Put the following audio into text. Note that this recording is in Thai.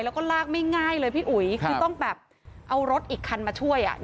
แล้วก็ลากไม่ง่ายเลยพี่อุ๋ยคือต้องแบบเอารถอีกคันมาช่วย